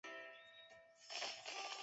也是第五个来自亚洲的环姐。